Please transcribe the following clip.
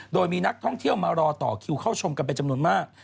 โดยมีนักท่องเที่ยวมารอต่อคิวเข้าชมกันเป็นจำนวนมาก